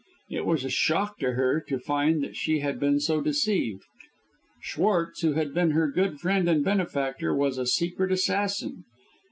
It was a shock to her to find that she had been so deceived. Schwartz, who had been her good friend and benefactor, was a secret assassin.